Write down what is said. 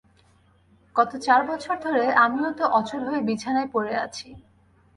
গত চার বছর ধরে আমিও তো অচল হয়ে বিছানায় পড়ে আছি।